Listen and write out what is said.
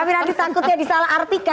tapi nanti takutnya disalah artikan